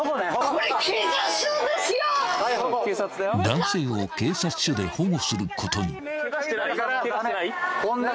［男性を警察署で保護することに］